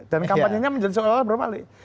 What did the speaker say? dan kampanye nya menjadi seolah olah berbalik